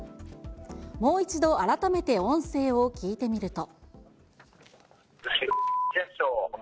もう一度改めて音声を聞いてみると。